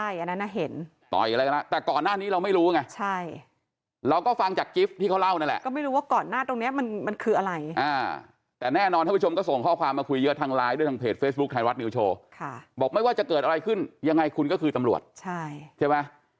ยังไงคุณก็คือตำรวจใช่ไหม